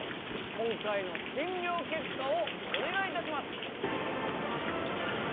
今回の診療結果をお願いいたします！